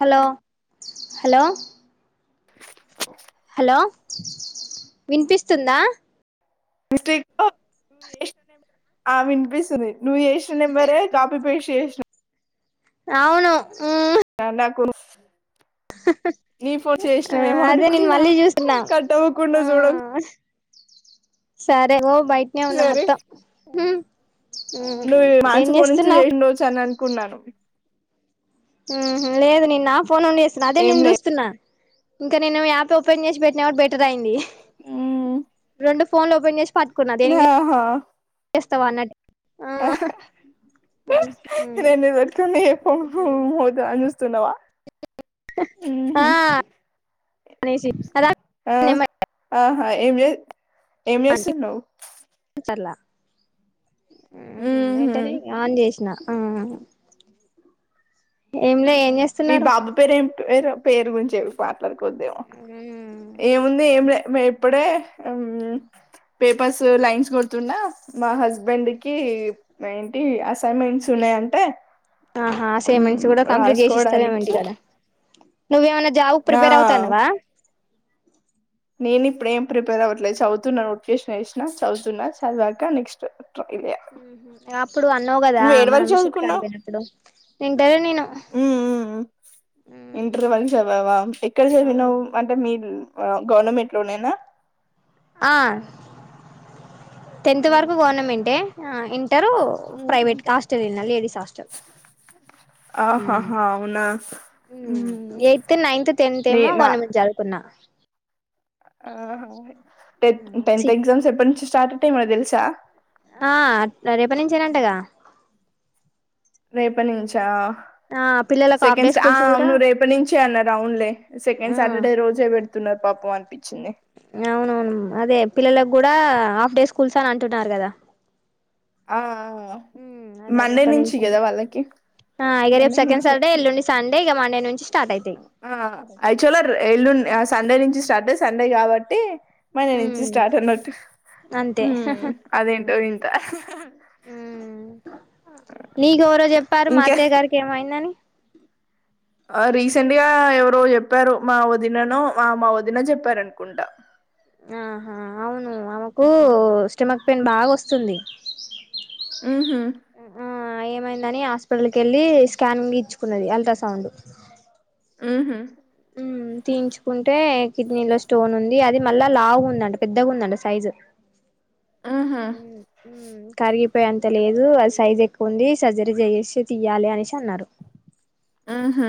Hello hello hello వినిపిస్తుందా mistake లో నువా ఆ వినిపిస్తుంది నువ్వు చే నెంబరే కాపీ పేస్ట్ చేసినాం అవును ర నాకు నీ పో ఆ చేసమేమో అదే నేను అనుకున్నా మళ్ళీ చూస్తున్నా కట్టవ్వకుండా ఆ చూడకు సరే ఓ బయటనే ఉన్నా సరే మొత్తం మ్మ్ మ్మ్ నువ్వు ఏం మాసపూర్ నుంచి చేస్తున్నావ్ చేయిండవచ్చు అని అనుకున్నాను లేదు నిన్న ఆ ఫోన్ వన్ చేస్తసాను అదే ఏం నేను లే చూస్తున్నా ఇంకా నేను మీ యాప్ ఓపెన్ చేసి పెట్టిన వాడు బెటర్ అయింది రెండు ఫోన్ల ఓపెన్ చేసి పట్టుకున్నా దేనికి ఆహా చేస్తావా అన్నట్ రెండు [unintelligible] స్తున్నవా ఆ ఆనేసి ఆ ఆహా ఏం చే ఏం చేస్తున్నావ్? ఉహు ఏంటనే ఆన్ చేసిన ఉమ్ మీ బాబు పేరేం వేరు పేరు గుంరించే మాట్లాడుకోద్దేమో, ఏముంది ఎంలే ఇప్పుడే పేపర్స్ లైన్స్ కొడుతున్నా, మా హస్బెండ్ కి ఏంటి అసైన్మెంట్స్ ఉన్నాయంటే ఆహా అసైన్మెంట్స్ ఉమ్, కూడా కంప్లీట్ చేసిస్తవేమో రాసుకోవడానికి ఇంటికాడ, నువ్వేమన్నా జాబ్ కు ఆ ప్రిపేర్ అవుతాన్నవా? నేను ఇప్పుడు ఏం ప్రిపేర్ అవ్వట్లేదు, చదుతున్నా నోటిఫికేషన్ వేసినా చదువుతున్నా చదివాక నెక్స్ట్ అప్పుడు అన్నావు కదా నువ్వు మనం ఏడవరకు మిషన్ కాడికి చదువుకున్నవు పోయినప్పుడు వింటలే నేను ఉమ్ ఉమ్ ఇంటర్ వరకి చదివావా, ఎక్కడ చదివినవ్ అంటే మీ వావ్ గవర్నమెంట్ లోనేనా ఆ టెన్త్ వరకు ఉమ్, గవర్నమెంటే, ఆ ఇంటరు ఉమ్, ఉమ్. ప్రైవేట్ హాస్టల్ ఎళ్లిన లేడీస్ హాస్టల్. ఉమ్ ఆహాహా అవునా ఉమ్ ఎయిత్ నైన్త్ టెన్త్ నే ఏమో నా గవర్నమెంట్ చదువుకున్నా. ఆహా టెన్ సి టెన్త్ ఎక్జామ్స్ ఎప్పటినుంచి స్టార్ట్? టె ఏమన్నా తెలుసా? ఆ రేపన్నుంచే నంటగా రేప నుంచా ఆ పిల్లలకు హాఫ్ డే సెకండ్ట్స్ ఆ స్కూల్స్ కూడా అవును రేప నుంచే అన్నరు అవున్ లే, సెకండ్ సాటర్డే రోజే పెడుత్ తున్న పాపం ఆంటీ అవునవును అదే పిల్లల గుడ హాఫ్ డే స్కూల్స అని అంటున్నారు కదా. ఆ ఆ ఉమ్ అదే మండే రేపటి నుంచి అన్న కదా వాళ్ళకి, మండే నుంచే డేగా మండే నుంచి స్టార్ట్ అయితాయి ఆ యాక్చువల్ గా ఎల్లుండ్, ఆ సండే నుంచి స్టార్డే సండే కాబట్టి మండే హు నుంచి స్టార్ట్ అన్నట్టు అంతే హ ఉమ్ హా అదేంటో వింత హు నీకు ఎవరో చెప్పారు మా ఇంకా అత్తయ్య గారికి ఏమొ ఆఇందని ఆ రీసెంట్ గా ఎవరో చెప్పారు మా వదిననో మా మా వదిన చెప్పారనుకుంటా ఆహా అవును ఆమెక్ కు ఉ- స్టమక్ పెయిన్ బాగా వస్తుంది మ్ హమ్ ఆ ఏమైందని హాస్పిటల్కి వెళ్ళి స్కానింగ్ ఇచ్చుకున్నది అల్ట్రాసౌండ్ ఉహు హు తీయించుకుంటే కిడ్నీ లో స్టోన్ ఉంది అది మళ్ళా లాగుందంట పెద్దగుందంట సైజు ఆహా ఉ ఉ కరిగిపోయెంత లేదు అ సైజ్ ఎక్కువుంది సర్జరీ చేసి తీయాలి అనేసి అన్నారు ఆహ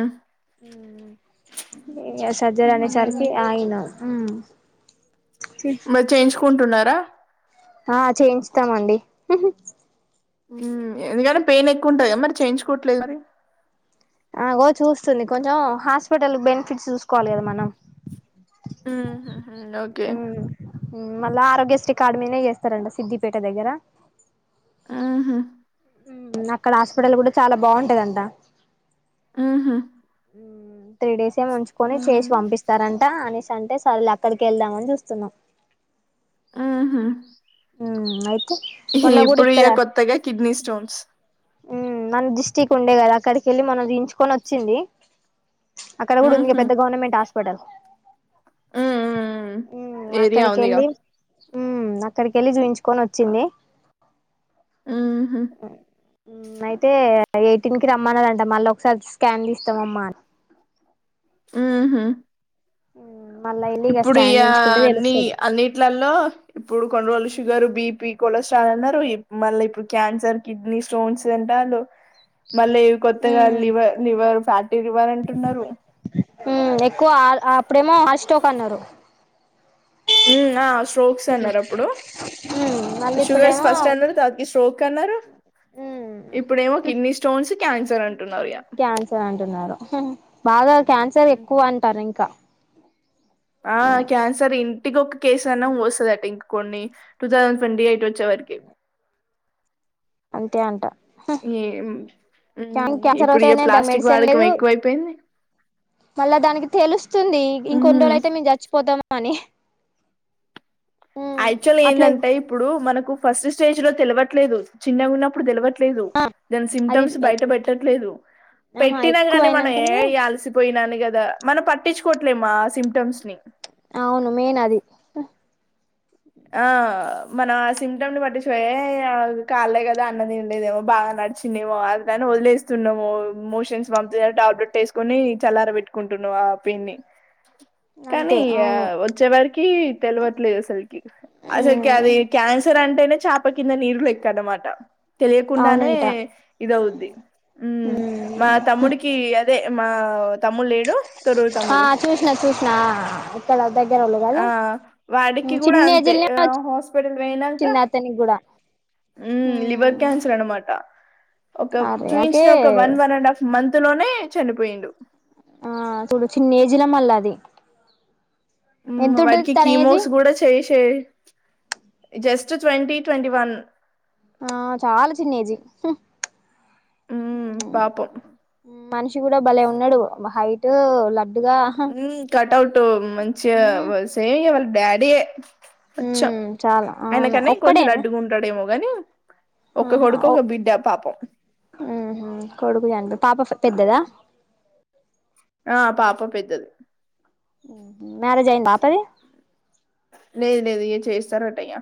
ఉ ఇగ సర్జరీ అనేసరికి మ్మ్ ఆగినం ఆ మరి చేయించుకుంటున్నారా ఆ చేయించుతామండి హు ఎందుకంటే పెయిన్ ఎక్కువ ఉంటాది కదా మరి చేయించుకోవట్లేదు మరి అగో చూస్తుంది కొంచెం హాస్పిటల్ బెనిఫిట్స్ చూసుకోవాలి కదా మనం మ్ హు మ్ ఓకే హు మళ్ళా ఆరోగ్యశ్రీ కార్డు మీదనే చేస్తారంట సిద్దిపేట దగ్గర మ్మ్ హు అక్కడ హాస్పిటల్ కూడా చాలా బాగుంటదంటా మ్మ్ హు త్రీ డేస్ ఉంచుకొని చేసి పంపిస్తారంట అనెస్ అంటే సరేలే అక్కడికే వెళ్దామని చూస్తున్నాం మ్మ్. హు ఉ అయిత్ ఇప్పుడు ఇగా కొత్తగా కిడ్నీ స్టోన్స్ హు మన డిస్టిక్ ఉండే కదా అక్కడికి వెళ్ళి మొన్న తీయించుకొని వచ్చింది అక్కడ కూడా మ్మ్ ఉంది పెద్ద గవర్నమెంట్స్ అస్ పటల్ మ్మ్ హు ఏరియా ఉందిగా అక్కడికెళ్ళి హు అక్కడికేళ్ళి చూయించుకొని ఓచ్చింది మ్మ్ హు అయితే యైయిటీన్ కి రమ్మనదంట మళ్ళీ ఒకసారి స్కాన్ తీస్తాం అమ్మా అని హుమ్మ్ హు ఇప్పుడు ఇగా అన్ని అన్నిట్లల్లో ఇప్పుడు కొన్ని రోజులు షుగర్ బిపి బిపి కొలెస్ట్రాల్ అన్నారు మల్ల ఇప్పుడు క్యాన్సర్ కిడ్నీ స్టోన్స్ అంటాండ్రు మళ్ళీవి కొత్తగా లివర్ లివర్ ఫ్యాటీ లివర్ అంటున్నారు హు ఎక్కువ ఆ ఆ ఇప్పుడేమో హాట్ స్టాక్ అన్నారు హు ఆం స్ట్రోక్స్ అన్నారు అప్పుడు మ్మ్ మళ్ళీ షుగర్స్ ఇప్పుడేమో ఫస్ట్ అన్నారు తకి స్ట్రోక్ అన్నారు మ్మ్ ఇప్పుడేమో కిడ్నీ స్టోన్స్ క్యాన్సర్ అంటున్నారు ఇగా క్యాన్సర్ అంటున్నారు బాగా క్యాన్సర్ ఎక్కువ అంటారు ఇంకా ఆ క్యాన్సర్ ఇన్ ఇంటికొ ఒక్క కేసన్నయ అన్నా వస్తుందట ఇంక కొన్ని టూ థౌసండ్ ట్వంటీ యైట్ వచ్చే వరకి అంతే అంట ఈ ఉం క్యాన్సర్ ఇప్పుడు ఇగ అ ప్లాస్టిక్ మెడిసిన్ వాడకం లేదు ఎక్కువైపోయింది మళ్ళా దానికి తెలుస్తుంది ఇంకొన్ని హ్మ్ రోజు అయితే మేము చచ్చిపోతాం అని యాక్చువల్ అట్లే ఏందంటే ఇప్పుడు మనకు ఫస్ట్ స్టేజ్ లో తెలవట్లేదు చిన్నగా ఉన్నప్పుడు తెలవట్ ఆ దాని అది సిటమ్స్ బయట పెట్టట్లేదు ఆహా పెట్టినా కాని మనం ఎక్కువయినంకనే అల్సిపోయినా కదా మనం పట్టించుకోవట్లేమా ఆ సిమ్టమ్స్ ని అవును మెయిన్ అది ఆ మన సిమ్టమ్ ని పట్టించిపోయే కాలే కదా అన్నదినండేదేమో బాగా నడిచినందేమో అట్ని వదిలేస్తున్నామో మోషన్స్ పం టాప్లట్ వేసుకొని చల్లార పెట్టుకుంటున్నా ఆ పెయిన్ని అంతే కానీ అవును వచ్చే వారికి తెలివట్లేదు అసలు అసలు అది క్యాంసర్ అంటేనే చాప కింద నీరు లెక్క అన్నమాట తెలియకుండానే అవునంట ఇదవుద్ది ఉ మా తమ్ముడికి అదే మా తమ్ము లేడు తరురు ఆ తమ్ముడు చూసిన చూసిన ఇక్కడ దగ్గరోళ్ళు కదా ఆ వాడికి కూడా చిన్న అంతే ఏజ్లనే ఆ హాస్పిటల్ పోయినంక వచ్చింది అతనికి కూడా ఊమ్ లివర్ క్యాన్సర్ అనామట ఒక అరే అకే చూసిన ఒక one one and half month అందులోనే చనిపోయిడు ఆ చూడు చిన్న ఏజ్ల మళ్ళ అది ఎంతుంటది వాటికి తన ఏజ్ కీమోస్ కూడా చే జస్ట్ ట్వంటీ ట్వంటీ వన్ ఆ చాలా చిన్న ఏజ్ హు ఉమ్ పాపం మనిషి కూడ భలే ఉన్నడు వ హై టూ హు కటౌట్ మంచిగా మ్మ్ వ సేయల్ డాడీ ఏ మ్మ్ చాలా ఆయన అవును కన్న ఇం కొంచెం ఒక్కడేనా లడ్డుగా ఉంటాడేమో వనీ ఆహా ఓ మ్మ్ హు కొడుకు జనిపి పాప పెద్దదా ఆ పాప పెద్దది మ్యారేజి అయింద పాపది చేస్తారుటా అ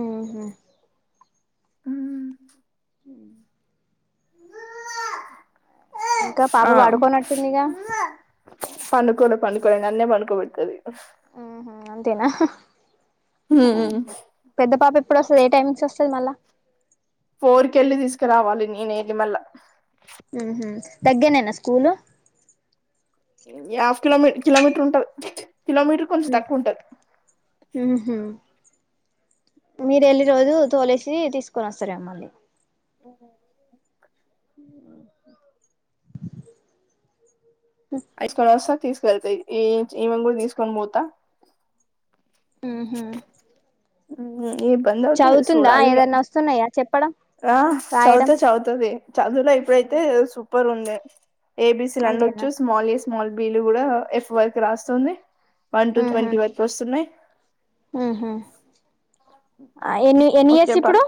ఊమ్ ఇంకా పాప ఆ పడుకోనట్టుందిగా పెనాలో పకోబడతుది హ అంతేనా పెద్ద పాప ఎప్పుడు వస్తుంది ఏ టైమింగ్స్ వస్తుంది మళ్ళా ఫోర్ క వెళ్ళి తీసుకురావాలి నేన వెళ్ళి మళ్ళా ఊమ్ తగ్గేనేనా స్కూలు హాఫ్ కిలోమ కిలోమీటర్ ఉంటారు కిలోమీటర్ కొంచెం తక్కువ ఉంటంది మ్మ్ మీరు వెళ్లి రోజు తోలేసి తీసుకొని వస్తారు మమ్మల్ని అఐసుకో వస తీసుకెళ్తాయి ఈ ఈమ కూడా తీసుకొని పోతా ఆ హమ్ ఏ ఇబ్బంది అవుతుంది చదువుతుందా చూడాలి ఇగ ఏదన్నా వస్తున్నాయా చెప్ ఆ చవితే చదువుతది చదువులో ఇప్పుడైతే ప్పర్ ఉంది ఏబీసి లండడ్ అంతేనా వచ్చు స్మాలిస్ట్ స్మాల్ బీలు కూడా ఎఫ్ వర్కు రాస్తుంది వన్ టు ట్వంటీ వరకు వస్తున్నాయి ఆ ఎని ఎన్ని ఓకే ఇస్ పర్ ఇప్పుడు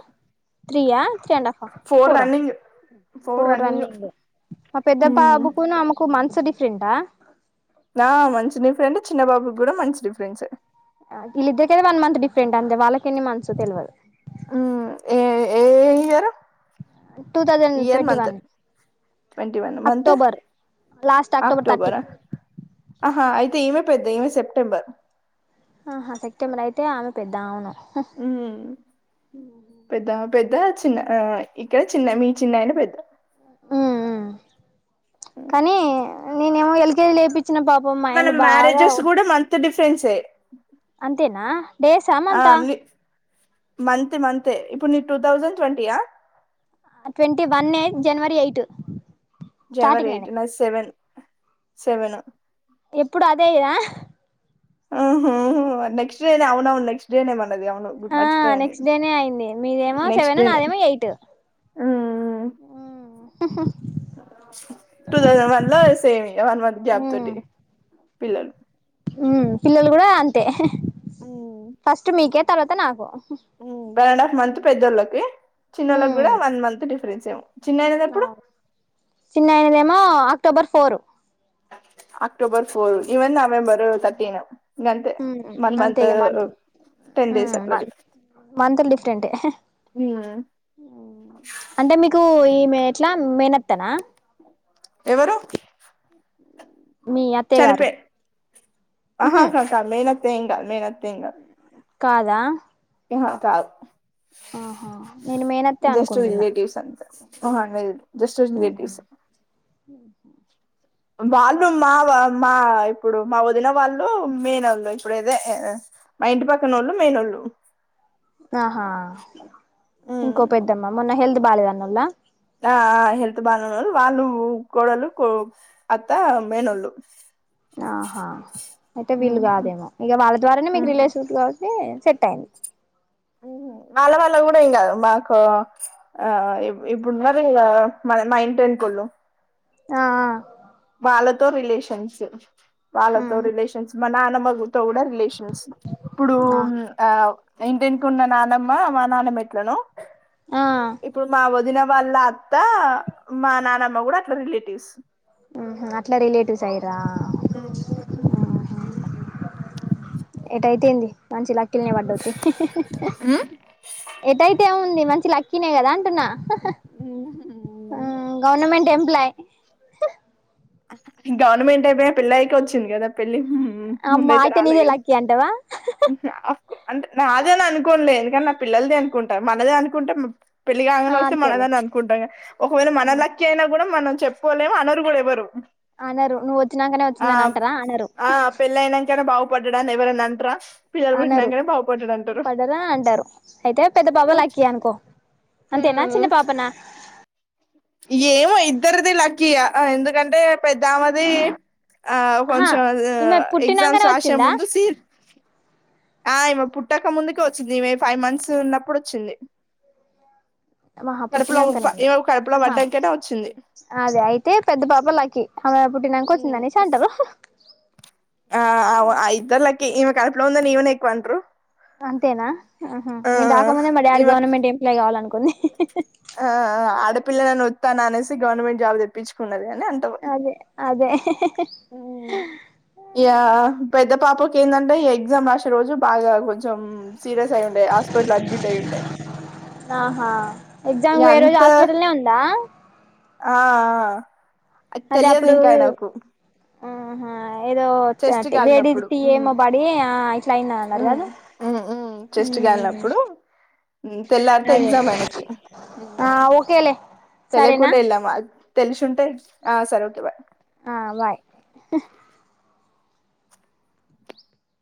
త్రియా త అండ్ఫ ఫోర్ ఫోర్ రన్నింగ్ మా పెద్ద మ్మ్ బాబుకు ఆమెకు మంచి డిఫరెంట్ ఆ మంచి డిఫరెంట్ చిన్న బాబుకి కూడా మంచి డిఫరెన్స్ వీళిద్దరికైతే వన్ మంత్ డిఫరెంట్ అంతే వాళ్ళకి ఎన్ని మంత్స్ తెలియదు ఉమ్ ఏ ఏ year two thousand year twenty month one twenty one month October last thirty October ఆ ఆహా అయితే ఈ పెద్ద ఈమె సెప్టెంబర్ ఆహా సెప్టెంబర్ అయితే ఆమె పెద్ద అవును ఉమ్ పెద్ద పెద్ద చిన్న ఇక్కడ చిన్న మీ చిన్నాయన పెద్ద ఉమ్ ఉ కానీ నేనేమో ఎల్కేజి లేపిచ్చిన పాపం మా ఆయన బాగా రెన్స్ ఏ అంతేనా డేస్ ఆ మంత్ ఆ ని మంత్ మంత్ ఏ ఇప్పుడు నీకు two thousand twenty yeah twenty one ఏ జనవరి ఎయిట్ జనవరి స్టార్టింగ్ ఎయిట్ లోనే ఏనా నాది సెవెన్ సెవను ఎప్పుడు అదే ఇదా ఉహుహు ఆ నెక్స్ట్ డేనే అవునవును నెక్స్ట్ డేనే మన్నా అది అవును ఆ మర్చిపోయా నేను నెక్స్ట్ డేనే అయింది మీదేమో నెక్స్ట్ సెవెన్ డేనే నాదేమో ఎయిట్ ఉమ్ ఉహుం టూ థౌసండ్ వన్ లో సేమ్ ఇగ వన్ మంత్ గ్యాప్ ఉమ్ తోటి పిల్లలు ఉమ్ పిల్లలు కూడా అంతే ఫస్ట్ మీకే తర్వాత నాకు స వన్ అండ్ హాఫ్ మంత్ పెద్దోళ్ళ ఓకే చిన్నోళ్ళు కూడా వన్ మంత్ డిఫరెన్స్ అం ఆ చిన్న అయితేనేమో అ October four October four even November thirteen గంతే ఉమ్ వన్ అంతే మంత్ ఇగ మంత్లు టెన్ డేస్ అట్లా ఉమ్ డిఫరెన్స్ మంత్లు డిఫరెంట్ ఏ ఉమ్ అంటే మీకు ఈ ఎట్లా మేనత్తనా ఎవరు మీ అత్తయ్య గారు చనిపో ఆహా ఉహు కాదు మేనత్త తే ఇంకా మేన త్తే ఇంగ కాదా మ్ హు కాదు ఆహా నేను మేనత్తే జస్ట్ అనుకుంటున్నా రిలేటివ్స్ అంతే అహా లేదు జస్ట్ రిలేటివ్స్ [inaudible] వాళ్ళు మా వా మా ఇప్పుడు మా వదిన వాళ్ళు మెనోళ్ళు ఇప్పుడు అదే మా ఇంటి పక్కనోళ్ళు మెనోళ్ళు ఆహా ఇంకో పెద్దమ్మా మొన్న హెల్త్ బాలేదనదిలా ఆ హెల్త్ బాలేన్నోళ్ళు వాళ్ళు కోడలు అత్త మేనోళ్ళు ఆహా అయితే వీళ్ళు కాదేమో ఇక వాళ్ళ ద్వారానే మీకు రిలేషన్స్ కాబట్టి సెట్టయింది వాళ్ళ వాళ్ళ కూడా ఏం కాదు మాకు ఆ ఇప్పుడున్నారుగ మా ఇంటి యెనకోళ్ళు ఆ వాళ్ళతో రిలేషన్స్ ఆ వాళ్ళతో రిలేషన్స్ మా నాన్నమగతో కూడా రిలేషన్స్ ఇప్పుడు ఆ ఇంటి యెనకున్న నానమ్మ మా నాన్నమ ఎట్లనో ఆ ఇప్పుడు మా వదిన వాళ్ళ అత్త మా నానమ్మ కూడా అట్లా రిలేటివ్స్ ఆహా అట్లా రిలేటివ్స్ అయి రా ఎటైతే ఎంది మంచి లా ఎటైతే ఏముంది మంచి లక్కీనేగదా గవర్నమెంట్ ఎంప్లాయ్ గవర్నమెంట్ అయిపోయిన పెళ్ళి అయిపో వచ్చింది కదా పెళ్ళి అమ్మా ముందయితే అయితే రాలే నీదే కద లక్కీ అంటవా అఫ్ అంటే నాదని అనుకోనులే నా పిల్లలది అనుకుంటా మనదే అనుకుంటే పెళ్లి ఆ కాంగనే వస్తే అంతేలే మనదనే అనుకుంటాంగా ఒకవేళ మన లక్కీ అయినా కూడా మనం చెప్పుకోలేము అనరు కూడా ఎవరు అనరు నువ్వు వచ్చినాకనే వచ్చిందని అంటార అనరు బాగుపడ్డడా అని ఎవరన్న అంట్రా అన్నరు పడ్డరా అంటారు అయితే పెద్ద పాప లక్కీ అనుకో అంతేనా చిన్న పాపనా ఏమో ఇద్దరిది లక్కీయే ఎందుకంటే పెద్దామది ఆ ఆహా కొంచెం ఈమె ఎగ్జామ్స్ పుట్టినాకనే రాసే వచ్చిందా ముందు సీట్ ఆ ఈమె పుట్టక ముందుకే వచ్చింది ఇమె ఫైవ్ మంత్స్ ఉన్నప్పుడు వచ్చింది మహా కడుపులో పుట్టినంకనే ఇగ ఈమె కడుపులో అహ పడ్డాకనే వచ్చింది అదే అయితే పెద్ద పాప లక్కీ అమె టినాంకోచ్చుందని అనేసి అంటారు ఆ అ అయిద్దలకి ఇమే కడ్ పులో ఉందని ఈమెనే ఎక్కువంట్రూ అంతేనా అహ నేను దాకముందే మా డాడీ ఈమె గవర్నమెంట్ ఎంప్లాయ్ కావాలి అనుకు ఆ ఆడపిల్ల ననీ ఒతన అనేస్ సి గవర్నమెంట్ జాబ్ తెప్పించుకున్నద అ అదే అదే ఇగ పెద్ద పాపక్ కేందంటే ఈ ఎగ్జామ్ రాసే రోజు బాగా గో కొంచ సీరియస్ అయిండే హాస్పిటల్ అడ్మిట్ అయిండే ఆహా ఎగ్జామ్ పోయే రోజు ఎంత హాస్పిటల్నే ఉందా ఆ ఆ అ అదే తెలియదు ఇంకా అప్పుడు అయినకు ఆహా ఏదో చ్ వేడిది కాలినప్పుడు టీ ఉమ్ ఏమో పడి ఆ ఇట్లా అయిందనీ అన్నారు ఉమ్ కదు ఉమ్ ఉమ్ చెస్ట్ కాలినప్పుడు తెల్లారితే అదే ఎగ్జామ్ ఆయనకి ఆ ఉమ్ ఓకేలే సరేనా తెలుసుంటే ఆ సరే ఓకే బాయ్ ఆ బాయ్